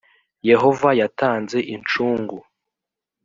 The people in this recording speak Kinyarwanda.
yehova yatanze incungu .